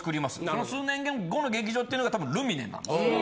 その数年後の劇場っていうのがたぶんルミネなんですよ。